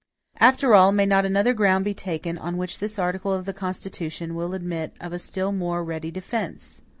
"After all, may not another ground be taken on which this article of the Constitution will admit of a still more ready defense?